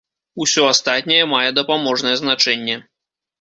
Усё астатняе мае дапаможнае значэнне.